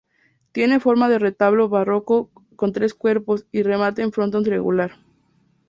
Tiene forma de retablo barroco con tres cuerpos y remate en frontón triangular.